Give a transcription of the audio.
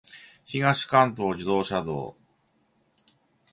東関東自動車道